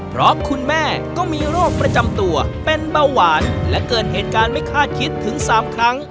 เพราะคุณแม่ก็มีโรคประจำตัวเป็นเบาหวานและเกิดเหตุการณ์ไม่คาดคิดถึง๓ครั้ง